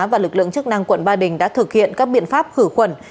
và lực lượng chức năng quận ba đình đã thực hiện các biện pháp khử khuẩn